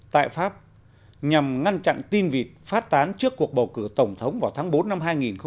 tại pháp nhằm ngăn chặn tin việt phát tán trước cuộc bầu cử tổng thống vào tháng bốn năm hai nghìn một mươi bảy